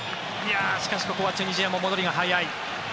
しかしここはチュニジアも戻りが早い。